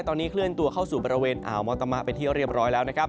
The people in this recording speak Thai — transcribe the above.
ตอนนี้เคลื่อนตัวเข้าสู่อาวมตมะเป็นที่เรียบร้อยแล้ว